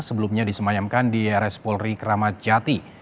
sebelumnya disemayamkan di rs polri kramat jati